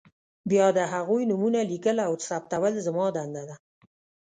بیا د هغوی نومونه لیکل او ثبتول زما دنده ده.